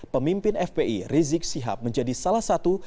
pemimpin fpi rizik sihab menjadi salah satu